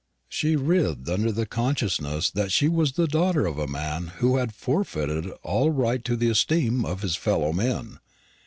She writhed under the consciousness that she was the daughter of a man who had forfeited all right to the esteem of his fellow men.